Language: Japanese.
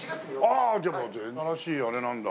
ああじゃあもう新しいあれなんだ。